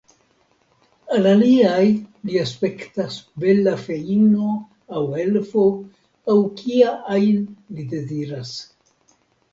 Al aliaj li aspektas bela feino, aŭ elfo, aŭ kia ajn li deziras.